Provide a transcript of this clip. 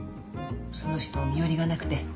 その人身寄りがなくて。